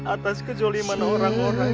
atas kejoliman orang orang yang